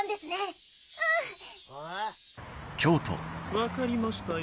分かりましたよ